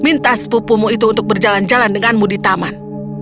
minta sepupumu itu untuk berjalan jalan denganmu di taman